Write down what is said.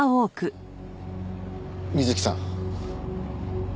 美月さん。